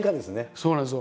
そうなんですよ。